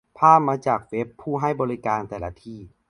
ภาพมาจากเว็บผู้ให้บริการแต่ละที่